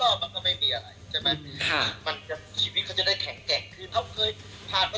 ผ่านตลอดเหตุการณ์ที่ดีตลอดมันก็ไม่มีอะไร